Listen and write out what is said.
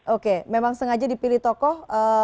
oke memang sengaja dipilih tokoh